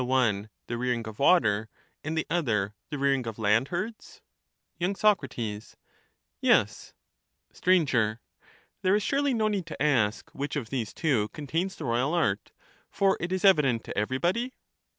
461 one the rearing of water, and the other the rearing of land Statesman. herds ? St»a«cbk. y. SOC. Yes. Socrates. Sir. There is surely no need to ask which of these two contains the royal art, for it is evident to everybody.